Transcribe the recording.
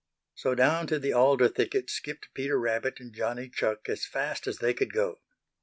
So down to the alder thicket skipped Peter Rabbit and Johnny Chuck as fast as they could go.